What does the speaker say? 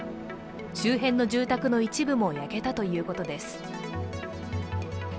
周辺の住宅の一部も焼けたということです。